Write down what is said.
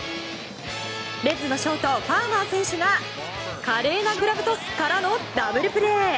レッズのショートファーマー選手が華麗なグラブトスからのダブルプレー。